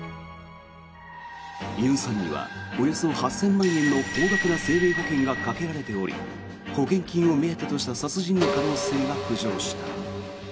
ユンさんにはおよそ８０００万円の高額な生命保険がかけられており保険金を目当てとした殺人の可能性が浮上した。